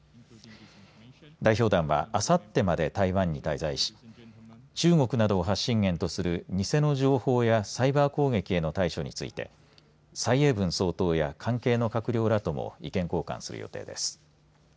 代表団は、あさってまで台湾に滞在し中国などを発信源とする偽の情報やサイバー攻撃への対処について蔡英文総統や関係の閣僚らとも意見交換する予定です。